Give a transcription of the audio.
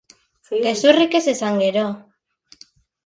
Gezurrik ez esan, gero.